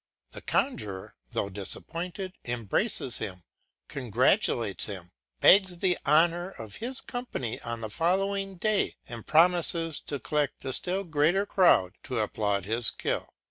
The conjuror, though disappointed, embraces him, congratulates him, begs the honour of his company on the following day, and promises to collect a still greater crowd to applaud his skill.